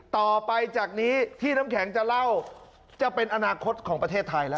ต่อไปจากนี้ที่น้ำแข็งจะเล่าจะเป็นอนาคตของประเทศไทยแล้ว